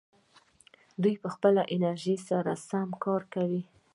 دوی به له خپلې انرژۍ سره سم کار کاوه.